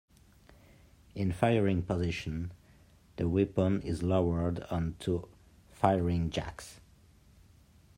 In firing position, the weapon is lowered onto firing jacks.